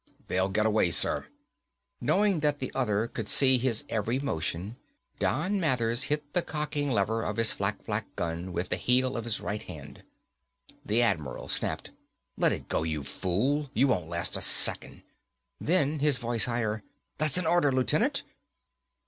"They'll get away, sir." Knowing that the other could see his every motion, Don Mathers hit the cocking lever of his flakflak gun with the heel of his right hand. The Admiral snapped, "Let it go, you fool. You won't last a second." Then, his voice higher, "That's an order, Lieutenant!"